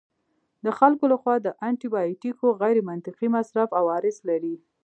د خلکو لخوا د انټي بیوټیکو غیرمنطقي مصرف عوارض لري.